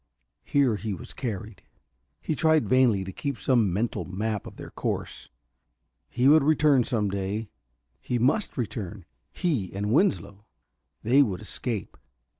Here he was carried. He tried vainly to keep some mental map of their course. He would return some day he must return he and Winslow. They would escape....